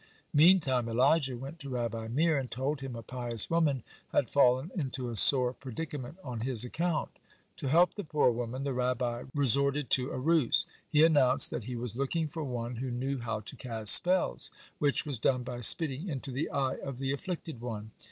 Meantime Elijah went to Rabbi Meir, and told him a pious woman had fallen into a sore predicament on his account. To help the poor woman, the Rabbi restored to a ruse. He announced that he was looking for one who knew how to cast spells, which was done by spitting into the eye of the afflicted one.